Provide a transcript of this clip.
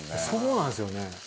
「そうなんですよね」